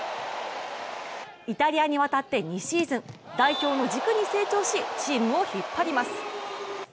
イタリアに渡って２シーズン、代表の軸に成長しチームを引っ張ります。